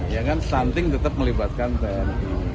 ya kan stunting tetap melibatkan tni